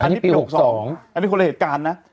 อันนี้ปี๖๒อันนี้คนละเหตุการณ์นะ